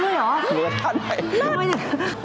เหมือนท่านมาก